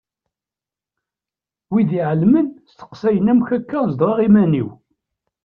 Wid iɛelmen steqsayen amek akka zedɣeɣ iman-iw.